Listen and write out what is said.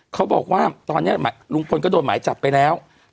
เขาบอกว่าตอนนี้ลุงพลก็โดนหมายจับไปแล้ว